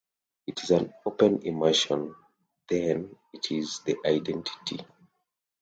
If is an open immersion, then it is the identity.